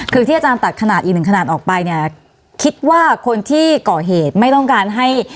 คือที่อาจารย์ตัดขนาดอีกหนึ่งขนาดออกไปเนี่ยคิดว่าคนที่ก่อเหตุไม่ต้องการให้